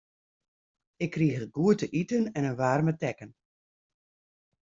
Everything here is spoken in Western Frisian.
Ik krige goed te iten en in waarme tekken.